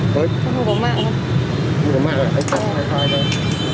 tôi không có bao giờ tôi không có mạng